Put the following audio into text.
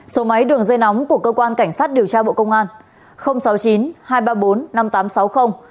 số máy đường dây nóng của cơ quan cảnh sát điều tra bộ công an sáu mươi chín hai trăm ba mươi bốn năm nghìn tám trăm sáu mươi